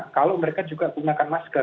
kalau mereka juga gunakan masker